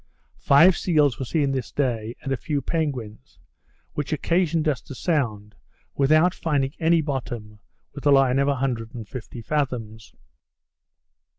Five seals were seen this day, and a few penguins; which occasioned us to sound, without finding any bottom, with a line of 150 fathoms.